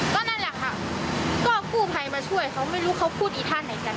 ก็นั่นแหละค่ะก็กู้ภัยมาช่วยเขาไม่รู้เขาพูดอีท่าไหนกัน